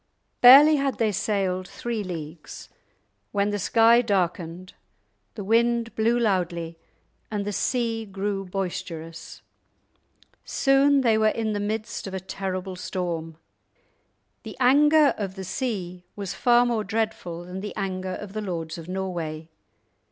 Barely had they sailed three leagues when the sky darkened, the wind blew loudly, and the sea grew boisterous. Soon they were in the midst of a terrible storm. The anger of the sea was far more dreadful than the anger of the lords of Norway.